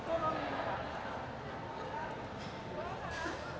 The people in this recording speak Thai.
ขอมองกล้องลายเสือบขนาดนี้นะคะ